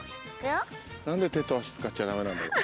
何で手と足使っちゃダメなんだろう。